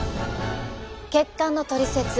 血管のトリセツ